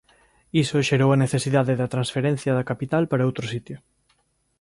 Iso xerou a necesidade da transferencia da capital para outro sitio.